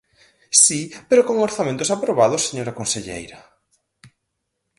¡Si, pero con orzamentos aprobados, señora conselleira!